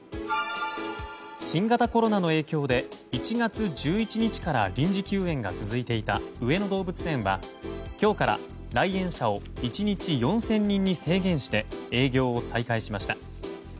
新型コロナの影響で１月１１日から臨時休園が続いていた上野動物園は今日から来園者を１日４０００人に制限して営業を再開しました。